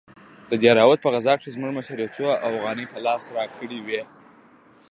د دهراوت په غزا کښې زموږ مشر يو څو اوغانۍ په لاس راکړې وې.